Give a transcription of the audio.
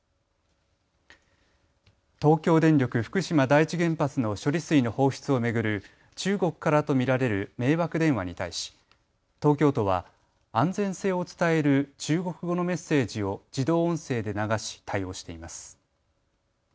東京電力福島第一原発の処理水の放出を巡る中国からと見られる迷惑電話に対し東京都は安全性を伝える中国語のメッセージを自動音声で流し対応しています。